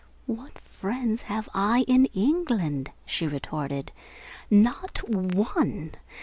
"What friends have I in England?" she retorted. "Not one!